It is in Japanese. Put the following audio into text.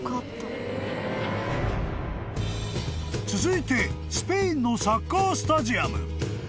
［続いてスペインのサッカースタジアム］